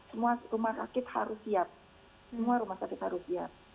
semua rumah sakit harus siap semua rumah sakit harus siap